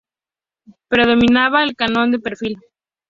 Predominaba el "canon de perfil".